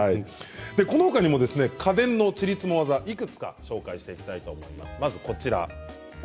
この他にも家電のチリツモ技いくつか紹介していきたいと思います。